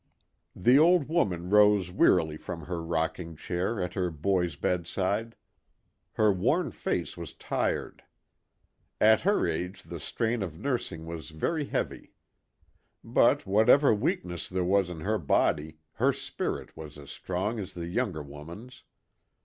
The old woman rose wearily from her rocking chair at her boy's bedside. Her worn face was tired. At her age the strain of nursing was very heavy. But whatever weakness there was in her body, her spirit was as strong as the younger woman's.